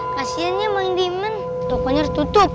kasiannya bank diman tokonya ditutup